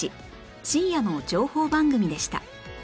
深夜の情報番組でした